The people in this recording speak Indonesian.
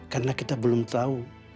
karena kita belum tahu